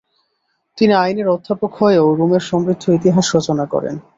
তিনি আইনের অধ্যাপক হয়েও রোমের সমৃদ্ধ ইতিহাস রচনা করেন।